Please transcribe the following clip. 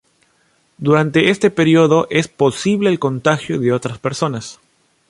Durante este período es posible el contagio de otras personas.